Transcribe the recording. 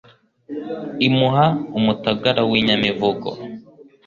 Imuha umutagara w' inyamivugo